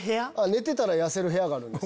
寝てたら痩せる部屋があるんです。